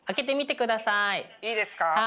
いいですか？